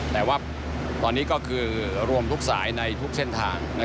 แต่ว่าตอนนี้ก็คือรวมทุกสายในทุกเส้นทาง